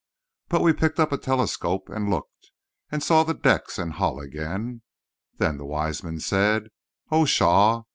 But we picked up a telescope and looked, and saw the decks and hull again. Then the wise men said: "Oh, pshaw!